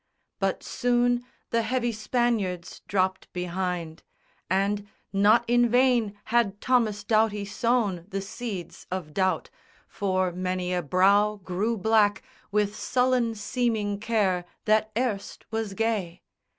But soon the heavy Spaniards dropped behind; And not in vain had Thomas Doughty sown The seeds of doubt; for many a brow grew black With sullen seeming care that erst was gay.